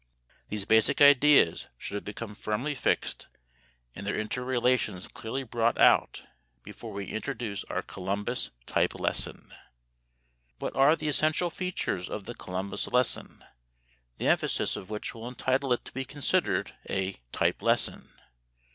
These basic ideas should have become firmly fixed and their interrelations clearly brought out before we introduce our Columbus "type lesson." What are the essential features of the Columbus lesson, the emphasis of which will entitle it to be considered a "type lesson"?